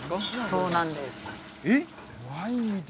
そうなんですえっ？